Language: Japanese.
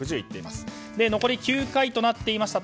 残り９回となっていました